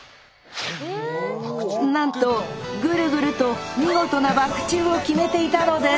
なんとぐるぐると見事なバク宙を決めていたのです！